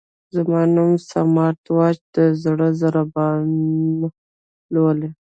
زما نوی سمارټ واچ د زړه ضربان لولي.